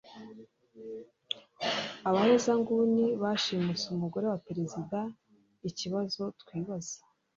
Abahezanguni bashimuse umugore wa perezida ikibazo twibaza